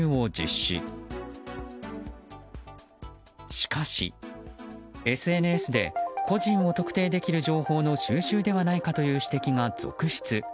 しかし、ＳＮＳで個人を特定できる情報の収集ではないかという指摘が続出。